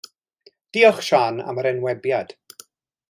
Diolch Siân am yr enwebiad.